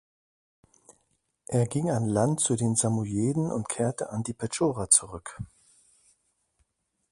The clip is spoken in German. Er ging an Land zu den Samojeden und kehrte an die Petschora zurück.